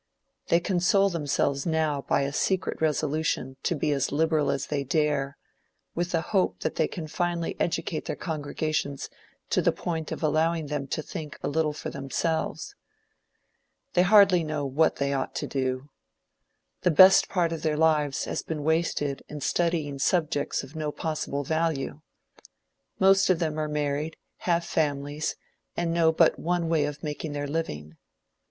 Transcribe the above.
They console themselves now by a secret resolution to be as liberal as they dare, with the hope that they can finally educate their congregations to the point of allowing them to think a little for themselves. They hardly know what they ought to do. The best part of their lives has been wasted in studying subjects of no possible value. Most of them are married, have families, and know but one way of making their living.